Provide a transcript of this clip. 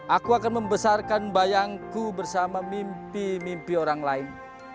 aku akan membesarkan bayangku bersama mimpi mimpi orang lain